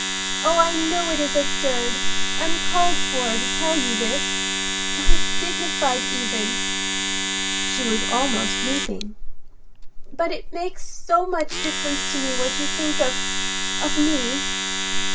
Oh, I know it is absurd, uncalled for, to tell you this; undignified even," she was almost weeping, "but it makes so much difference to me what you think of—of me."